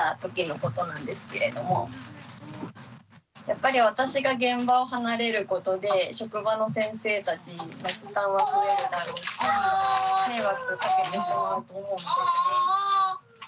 やっぱり私が現場を離れることで職場の先生たちの負担は増えるだろうし迷惑をかけてしまうと思うんですね。